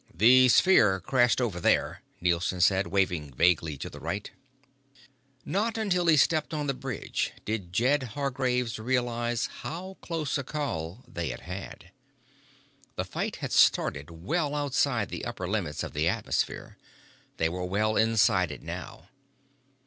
"The sphere crashed over there," Nielson said, waving vaguely to the right. Not until he stepped on the bridge did Jed Hargraves realize how close a call they had had. The fight had started well outside the upper limits of the atmosphere. They were well inside it now.